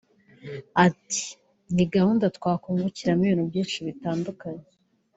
Ati “Ni gahunda twakungukiramo ibintu byinshi bitandukanye